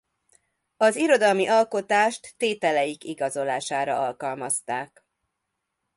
Az irodalmi alkotást tételeik igazolására alkalmazták.